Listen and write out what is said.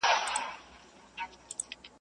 چي هر څوک سي بې عزته نوم یې ورک سي.